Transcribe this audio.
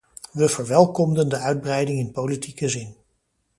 We verwelkomden de uitbreiding in politieke zin.